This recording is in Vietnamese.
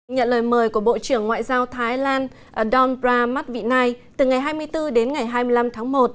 nhận lời mời của bộ trưởng ngoại giao thái lan donbra matvina từ ngày hai mươi bốn đến ngày hai mươi năm tháng một